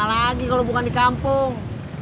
ya di mana lagi kalau bukan di kampung